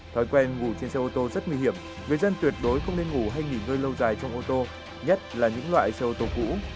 thói quen ngủ trên xe ô tô rất nguy hiểm người dân tuyệt đối không nên ngủ hay nghỉ ngơi lâu dài trong ô tô nhất là những loại xe ô tô cũ